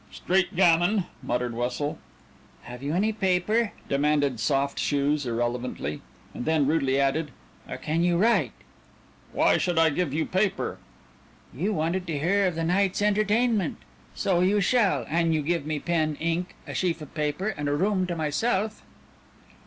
"Street gamin!" muttered Wessel. "Have you any paper?" demanded Soft Shoes irrelevantly, and then rudely added, "or can you write?" "Why should I give you paper?" "You wanted to hear of the night's entertainment. So you shall, an you give me pen, ink, a sheaf of paper, and a room to myself."